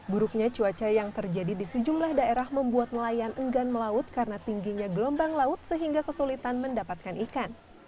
buruknya cuaca yang terjadi di sejumlah daerah membuat nelayan enggan melaut karena tingginya gelombang laut sehingga kesulitan mendapatkan ikan